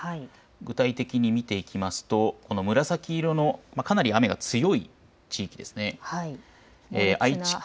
具体的に見ていきますと紫色のかなり雨が強い地域です。